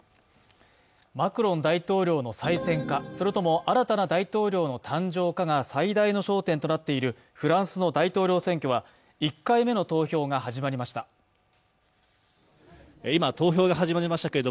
マクロン大統領の再選か、それとも新たな大統領の誕生かが最大の焦点となっているフランスの大統領選挙は、１回目の投票が始まりました。